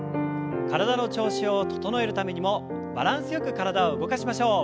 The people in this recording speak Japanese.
体の調子を整えるためにもバランスよく体を動かしましょう。